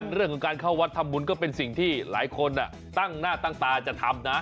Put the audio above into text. เรื่องของการเข้าวัดทำบุญก็เป็นสิ่งที่หลายคนตั้งหน้าตั้งตาจะทำนะ